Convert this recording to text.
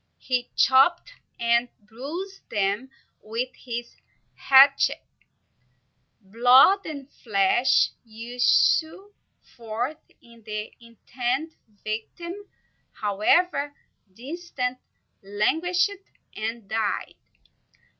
He chopped and bruised them with his hatchet; blood and flesh issued forth; and the intended victim, however distant, languished and died.